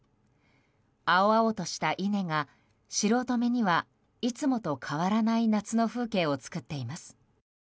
青々とした稲が素人目には、いつもと変わらない夏の風景を作っています。